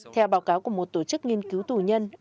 theo báo cáo của một tổ chức nghiên cứu tù nhân